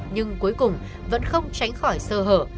nhưng cuối cùng vẫn không tránh khỏi sơ hở